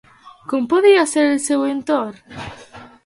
Com podria ser el seu entorn?